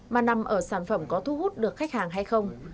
mà nằm ở sản phẩm có thu hút được khách hàng hay không